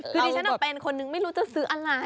คือดิฉันเป็นคนนึงไม่รู้จะซื้ออะไร